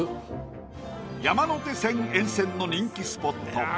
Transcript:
山手線沿線の人気スポット